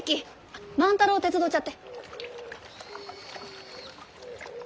あっ万太郎を手伝うちゃって。